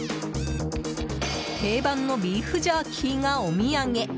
定番のビーフジャーキーがお土産。